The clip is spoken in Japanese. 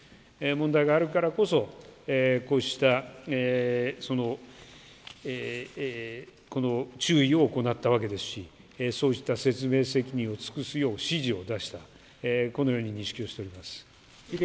問題があるからこそ、こうした、この注意を行ったわけですし、そうした説明責任を尽くすよう指示を出した、このように認識をしております。